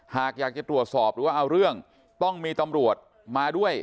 หากอยากจะตรวจสอบหรือว่าเอาเรื่องต้องมีตำรวจมาด้วย